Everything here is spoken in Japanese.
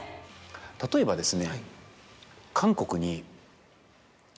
例えばですね。